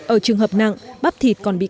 ở trường hợp nặng bắp thịt còn bị cắt